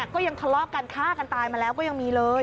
ก็ยังทะเลาะกันฆ่ากันตายมาแล้วก็ยังมีเลย